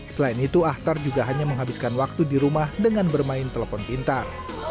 selain itu ahtar juga hanya menghabiskan waktu di rumah dengan bermain telepon pintar